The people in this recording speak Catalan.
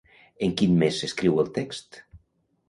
En quin mes s'escriu el text?